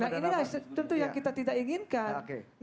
nah ini kan tentu yang kita tidak inginkan